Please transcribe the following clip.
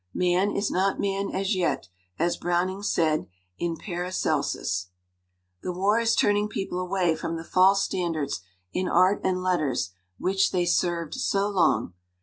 'Man is not man as yet,' as Browning said in Paracelsus. "The war is turning people away from the false standards in art and letters which they served so long.